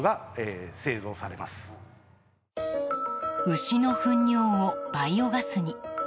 牛の糞尿をバイオガスに。